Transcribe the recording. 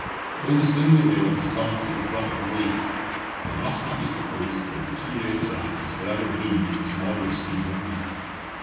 Though the single rail has come to the front of late, it must not be supposed that the two rail track is for ever doomed to moderate speeds only.